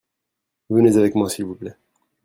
venez avec moi s'il vous plait .